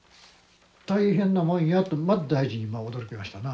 大変なもんやとまず第一に驚きましたな。